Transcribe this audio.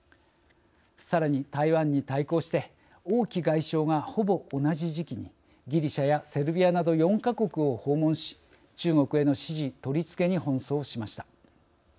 さらに台湾に対抗して王毅外相がほぼ同じ時期にギリシャやセルビアなど４か国を訪問し中国への支持取り付けに奔走しました。